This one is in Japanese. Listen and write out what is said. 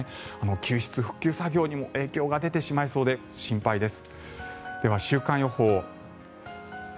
救出、復旧作業にも影響が出てしまいそうで心配です。